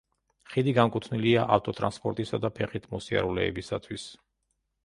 ხიდი განკუთვნილია ავტოტრანსპორტისა და ფეხით მოსიარულეებისათვის.